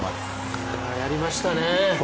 やりましたね。